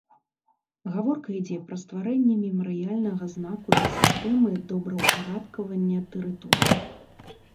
Гаворка ідзе пра стварэнне мемарыяльнага знаку ды сістэмы добраўпарадкавання тэрыторыі.